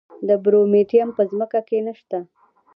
د پرومیټیم په ځمکه کې نه شته.